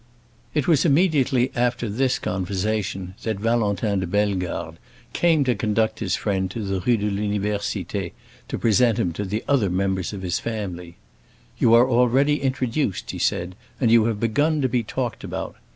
It was immediately after this conversation that Valentin de Bellegarde came to conduct his friend to the Rue de l'Université to present him to the other members of his family. "You are already introduced," he said, "and you have begun to be talked about.